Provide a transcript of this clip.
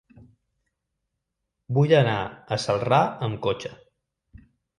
Vull anar a Celrà amb cotxe.